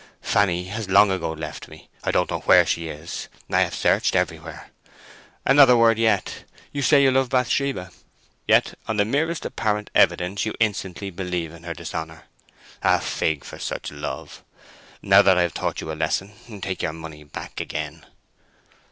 Fanny has long ago left me. I don't know where she is. I have searched everywhere. Another word yet. You say you love Bathsheba; yet on the merest apparent evidence you instantly believe in her dishonour. A fig for such love! Now that I've taught you a lesson, take your money back again."